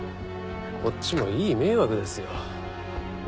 こっちもいい迷惑ですよ。